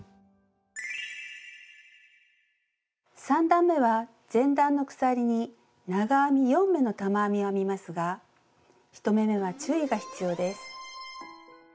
３段めは前段の鎖に長編み４目の玉編みを編みますが１目めは注意が必要です。